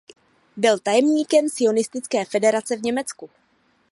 Byl tajemníkem sionistické federace v Německu.